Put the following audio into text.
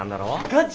ガチ？